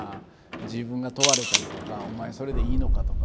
自分が問われたりとかお前それでいいのか？とか。